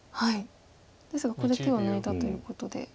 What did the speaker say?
ですがここで手を抜いたということで。